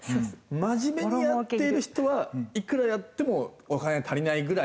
真面目にやっている人はいくらやってもお金足りないぐらい。